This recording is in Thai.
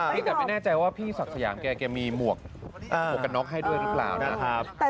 พี่แต่ไม่แน่ใจว่าพี่สักสยามมีหมวกโปรแกน็อคให้ด้วยหรือเปล่านะ